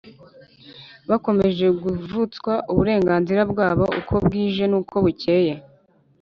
Bakomeje kuvutswa uburenganzira bwabo uko bwije nuko bukeye